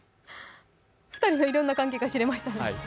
２人のいろんな関係が知れましたね。